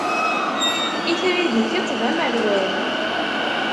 Itri di tiṭ, d amerwal.